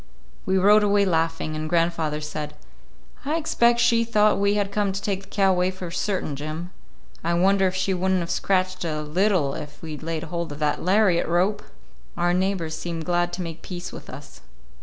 We rode away laughing, and grandfather said: "I expect she thought we had come to take the cow away for certain, Jim. I wonder if she would n't have scratched a little if we'd laid hold of that lariat rope!" Our neighbors seemed glad to make peace with us.